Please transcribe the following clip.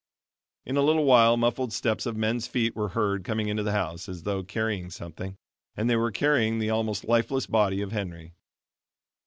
In a little while muffled steps of men's feet were heard coming into the house, as though carrying something; and they were carrying the almost lifeless body of Henry.